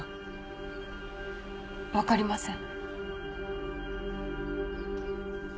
分かりません。